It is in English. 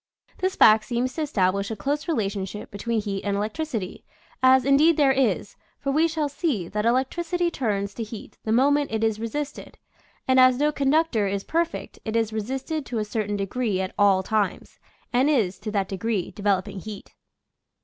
This fact seems to establish a close relation ship between heat and electricity, as indeed there is; for we shall see that electricity turns to heat the moment it is resisted, and as no con ductor is perfect it is resisted to a certain de gree at all times, and is, to that degree, developing heat.